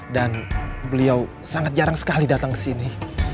dan beliau sangat jarang sekali datang kesini